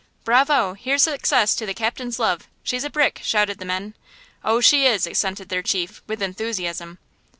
"Bravo! here's success to the captain's love!–she's a brick!" shouted the men. "Oh, she is!" assented their chief, with enthusiasm.